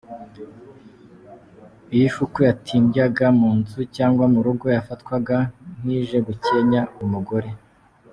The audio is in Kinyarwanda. Iyo ifuku yatimbyaga mu nzu cyangwa mu rugo yafatwaga nk’ije gukenya umugore.